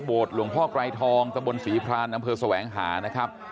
โบสถ์หลวงพ่อกรายทองตะบลศรีพรานอำเภอสวังหานะครับ